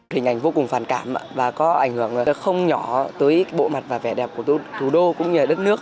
hình ảnh vô cùng phản cảm và có ảnh hưởng không nhỏ tới bộ mặt và vẻ đẹp của thủ đô cũng như đất nước